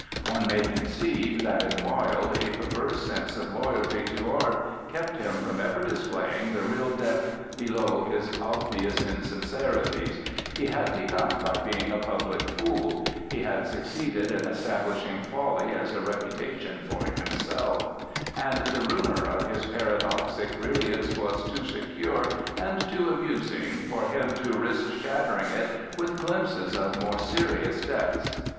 One may conceive that in Wilde a perverse sense of loyalty to art kept him from ever displaying the real depth below his obvious insincerities; he had begun by being a public fool; he had succeeded in establishing folly as a repu tation for himself; and the rumor of his paradoxic brilliance was too secure and too amusing for him to risk shattering it with glimpses of more serious depths.